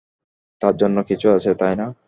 তার জন্য কিছু আছে, তাই না?